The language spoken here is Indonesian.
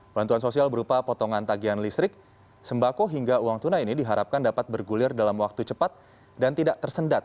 bantuan sosial berupa potongan tagihan listrik sembako hingga uang tunai ini diharapkan dapat bergulir dalam waktu cepat dan tidak tersendat